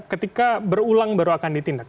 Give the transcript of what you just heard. ketika berulang baru akan ditindak